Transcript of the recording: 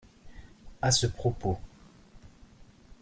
À ce propos.